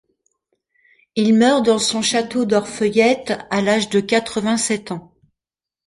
Il meurt dans son château d'Orfeuillette à l'âge de quatre-vingt-sept ans.